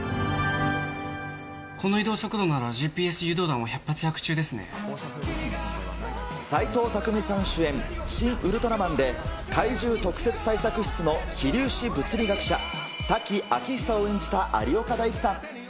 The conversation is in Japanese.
この移動速度ならＧＰＵ誘導斎藤工さん主演、シン・ウルトラマンで禍威獣特設対策室の非粒子物理学者、滝明久を演じた有岡大貴さん。